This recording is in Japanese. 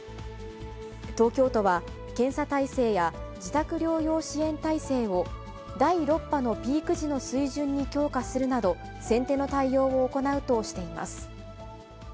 東京都は、検査体制や自宅療養支援体制を、第６波のピーク時の水準に強化するなど、先手の対応を行うとしています。